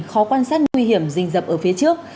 khó quan sát nguy hiểm rình dập ở phía trước